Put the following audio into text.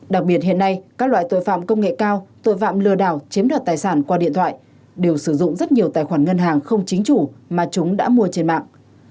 đặc biệt hiện nay các loại tội phạm công nghệ cao tội phạm lừa đảo chiếm đoạt tài sản qua điện thoại đều sử dụng rất nhiều tài khoản ngân hàng không chính chủ mà chúng đã mua trên mạng